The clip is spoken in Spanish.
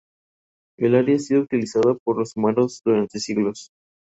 Iván ganó una importante concesión del Khan mediante el pago de importantes tributos.